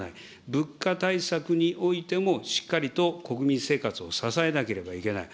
物価対策においても、しっかりと国民生活を支えなければいけない。